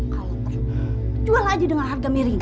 kalau jual aja dengan harga miring